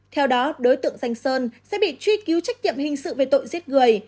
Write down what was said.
theo đó đối tượng danh sơn sẽ bị truy cứu trách nhiệm hình sự về tội giết người